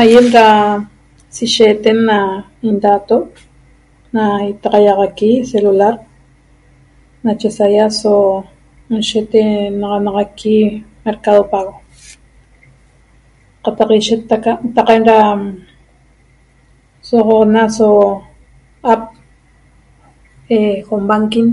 Aiem ra sisheten na indato na itaxaiaxaqui celular nache saia so nshetenaxanaxaqui mercado pago qataq ishet ra sogoxona aso app homebanking